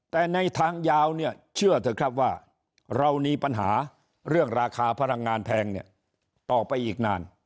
แต่ในทางยาวเนี่ยเชื่อเถอะครับว่าเรามีปัญหาเรื่องราคาพลังงานแพงเนี่ยต่อไปอีกนาน